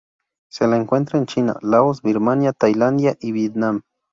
Se la encuentra en China, Laos, Birmania, Tailandia, y Vietnam.